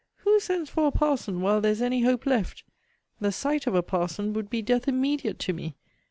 Who sends for a parson, while there is any hope left? The sight of a parson would be death immediate to me!